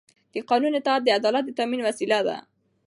د قانون اطاعت د عدالت د تأمین وسیله ده